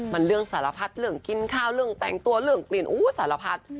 มันเรื่องสารพัดเรื่องกินข้าวเรื่องแต่งตัวเรื่องกลิ่นอู้สารพัด